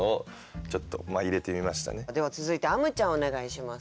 では続いてあむちゃんお願いします。